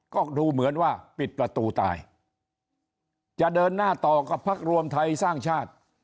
ก็ดูเหมือนว่าปิดประตูตายจะเดินหน้าต่อกับพักรวมไทยสร้างชาติ